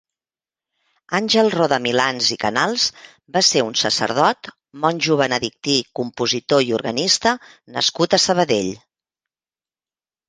Àngel Rodamilans i Canals va ser un sacerdot, monjo benedictí, compositor i organista nascut a Sabadell.